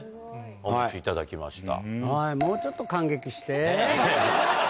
お持ちいただきました。